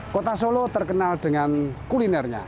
kota solo terkenal dengan kulinernya